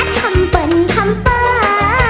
อ่ะทำเป็นทำเปอร์